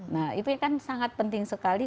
nah itu kan sangat penting sekali